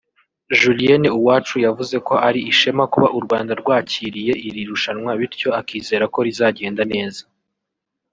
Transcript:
Julienne Uwacu yavuze ko ari ishema kuba u Rwanda rwakiriye iri rushanwa bityo akizera ko rizagenda neza